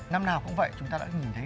năm nào cũng vậy chúng ta đã nhìn thấy